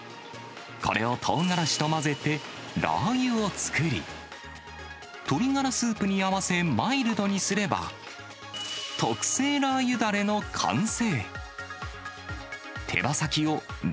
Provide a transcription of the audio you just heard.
これをトウガラシと混ぜて、ラー油を作り、鶏ガラスープに合わせ、マイルドにすれば、特製ラー油だれの完成。